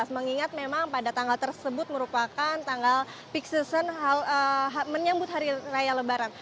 mengingat memang pada tanggal tersebut merupakan tanggal peak season menyambut hari raya lebaran